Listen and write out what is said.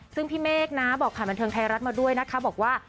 ซึ่งพี่เมฆนะบอกผ่านบันเทิงไทยรัฐมาด้วยนะคะบอกว่า